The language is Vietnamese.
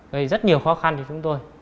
gây rất nhiều khó khăn cho chúng tôi